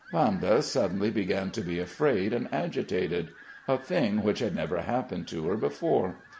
Vanda suddenly began to be afraid and agitated, a thing which had never happened to her before.